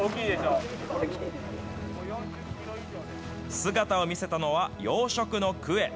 姿を見せたのは、養殖のクエ。